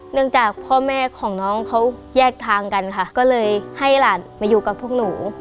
จากพ่อแม่ของน้องเขาแยกทางกันค่ะก็เลยให้หลานมาอยู่กับพวกหนู